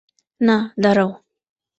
না, দাঁড়াও।